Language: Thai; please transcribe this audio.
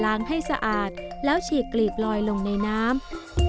ให้สะอาดแล้วฉีกกลีบลอยลงในน้ำ